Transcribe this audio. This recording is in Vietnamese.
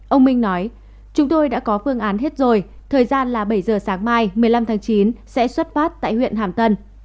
ông minh nói chúng tôi đã có phương án hết rồi thời gian là bảy giờ sáng mai một mươi năm tháng chín sẽ xuất phát tại huyện hàm tân